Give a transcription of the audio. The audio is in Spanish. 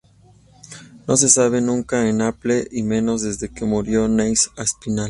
No se sabe nunca en Apple y menos desde que murió Neil Aspinall.